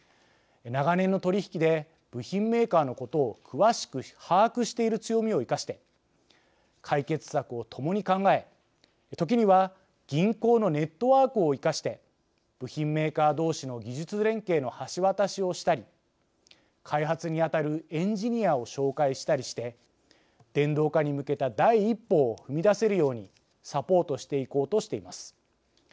長年の取り引きで部品メーカーのことを詳しく把握している強みを生かして解決策を共に考え時には銀行のネットワークを生かして部品メーカー同士の技術連携の橋渡しをしたり開発にあたるエンジニアを紹介したりして電動化に向けた第一歩を踏み出せるようにサポートしていこうとしています。